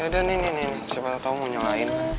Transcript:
ya udah nih siapa tau mau nyolain